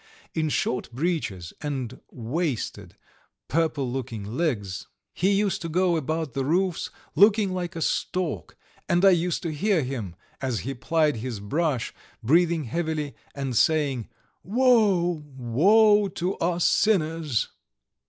In short breeches, and wasted, purple looking legs, he used to go about the roofs, looking like a stork, and I used to hear him, as he plied his brush, breathing heavily and saying: "Woe, woe to us sinners!"